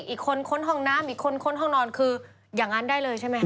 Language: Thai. อีกคนค้นห้องน้ำอีกคนค้นห้องนอนคืออย่างนั้นได้เลยใช่ไหมค